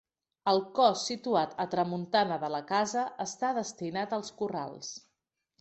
El cos situat a tramuntana de la casa està destinat als corrals.